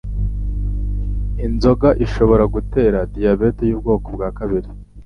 Inzoga ishobora gutera diyabete y'ubwoko bwa kabiri